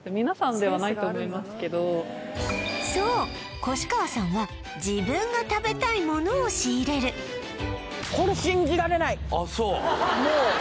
皆さんではないと思いますけどそう越川さんは自分が食べたいものを仕入れる信じられない？